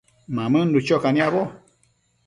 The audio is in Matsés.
Mamënnu cho caniabo